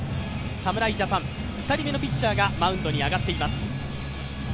侍ジャパン、２人目のピッチャーがマウンドに上がっています。